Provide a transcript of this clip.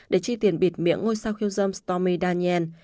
để chi tiền bịt miệng ngôi sao khiêu dâm stomi daniel